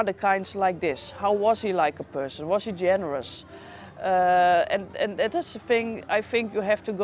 dan itu adalah hal yang harus anda lakukan